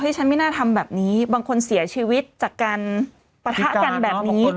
ฉันไม่น่าทำแบบนี้บางคนเสียชีวิตจากการปะทะกันแบบนี้